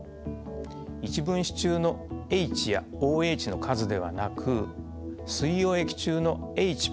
１分子中のＨやＯＨの数ではなく水溶液中のＨやＯＨの濃度なんだ。